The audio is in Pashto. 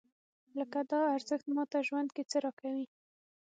لکه دا ارزښت ماته ژوند کې څه راکوي؟